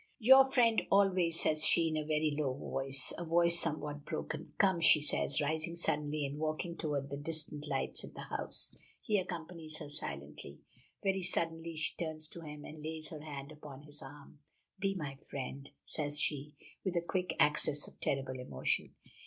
"Your friend, always," says she, in a very low voice a voice somewhat broken. "Come," she says, rising suddenly and walking toward the distant lights in the house. He accompanies her silently. Very suddenly she turns to him, and lays her hand upon his arm. "Be my friend," says she, with a quick access of terrible emotion.